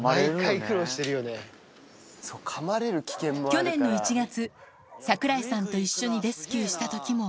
去年の１月、櫻井さんと一緒にレスキューしたときも。